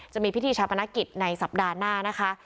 จะมีพิธีชาปนกิจในสัปดาห์หน้านะคะ